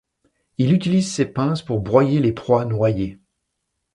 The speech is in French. Il utilise ses pinces pour broyer les proies noyées.